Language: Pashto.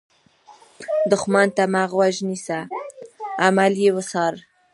دښمن ته مه غوږ نیسه، عمل یې وڅار